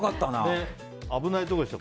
危ないところでした。